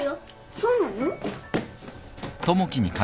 そうなの？